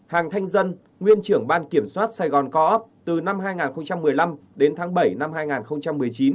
hàng thanh dân nguyên trưởng ban kiểm soát sài gòn co op từ năm hai nghìn một mươi năm đến tháng bảy năm hai nghìn một mươi chín